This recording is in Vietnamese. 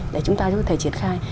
để chúng ta có thể triển khai